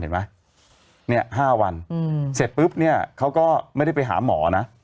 เห็นไหมเนี่ย๕วันเสร็จปุ๊บเนี่ยเขาก็ไม่ได้ไปหาหมอนะ